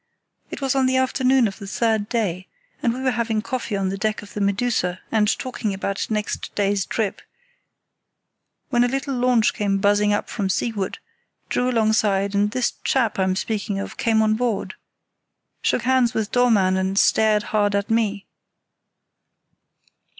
It was on the afternoon of the third day, and we were having coffee on the deck of the Medusa, and talking about next day's trip, when a little launch came buzzing up from seaward, drew alongside, and this chap I'm speaking of came on board, shook hands with Dollmann, and stared hard at me.